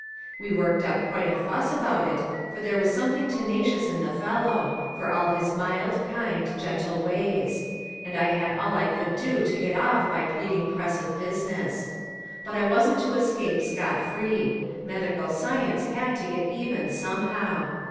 We worked up quite a fuss about it, for there was something tenacious in the fellow, for all his mild, kind, gentle ways; and I had all I could do to get off by pleading press of business. But I wasn't to escape scot free. Medical science had to get even somehow.